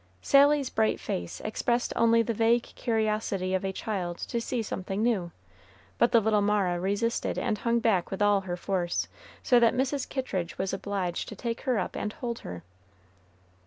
Sally's bright face expressed only the vague curiosity of a child to see something new; but the little Mara resisted and hung back with all her force, so that Mrs. Kittridge was obliged to take her up and hold her.